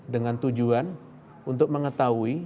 dengan tujuan untuk mengetahui